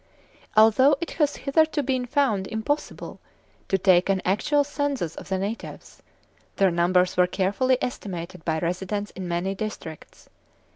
Although it has hitherto been found impossible to take an actual census of the natives, their numbers were carefully estimated by residents in many districts.